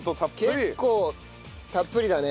結構たっぷりだね。